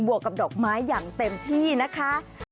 วกกับดอกไม้อย่างเต็มที่นะคะ